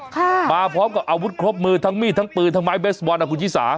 ค่ะมาพร้อมกับอาวุธครบมือทั้งมีดทั้งปืนทั้งไม้เบสบอลอ่ะคุณชิสา